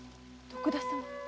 徳田様。